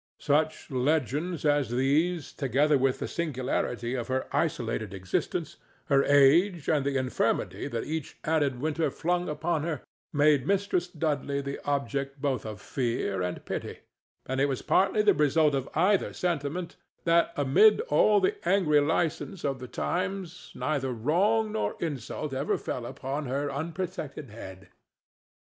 Such legends as these, together with the singularity of her isolated existence, her age and the infirmity that each added winter flung upon her, made Mistress Dudley the object both of fear and pity, and it was partly the result of either sentiment that, amid all the angry license of the times, neither wrong nor insult ever fell upon her unprotected head.